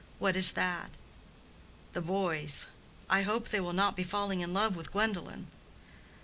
"What is that?" "The boys. I hope they will not be falling in love with Gwendolen."